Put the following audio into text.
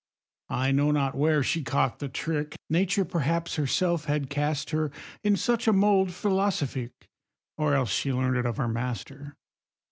I know not where she caught the trick Nature perhaps herself had cast her In such a mould philosophique, Or else she learn'd it of her master.